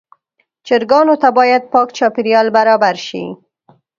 چرګانو ته باید پاک چاپېریال برابر شي.